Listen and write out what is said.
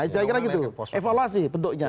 saya kira gitu evaluasi bentuknya